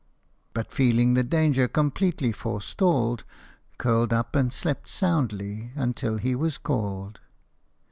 But feeling the danger completely forestalled, Curled up, and slept soundly until he was called